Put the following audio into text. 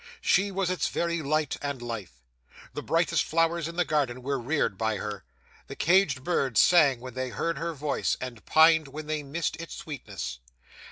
She was its very light and life. The brightest flowers in the garden were reared by her; the caged birds sang when they heard her voice, and pined when they missed its sweetness.